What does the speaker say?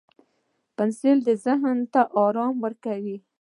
• بښل ذهن ته آرام ورکوي.